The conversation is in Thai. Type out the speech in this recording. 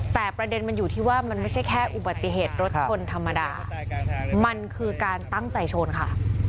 แต่ประเด็นมันอยู่ที่ว่ามันไม่ใช่แค่อุบัติเหตุรถชนธรรมดามันคือการตั้งใจชนค่ะ